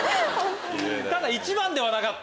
ただ一番ではなかった。